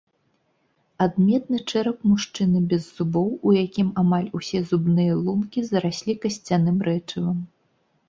Адметны чэрап мужчыны без зубоў, у якім амаль усе зубныя лункі зараслі касцяным рэчывам.